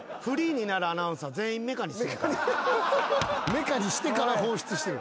メカにしてから放出してる。